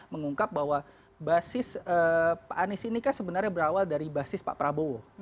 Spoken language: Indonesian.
mengungkap bahwa basis pak anies ini kan sebenarnya berawal dari basis pak prabowo